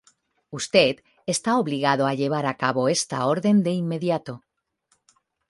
Usted está obligado a llevar a cabo esta orden de inmediato.